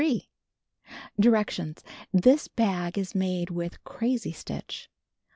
Directions : This bag is made with Crazy Stitch 1.